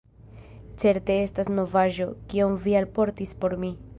Certe estas novaĵo, kion Vi alportis por mi!"